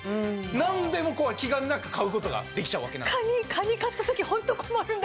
何でも気兼ねなく買うことができちゃうわけなんです。